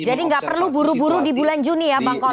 jadi nggak perlu buru buru di bulan juni ya bang kolit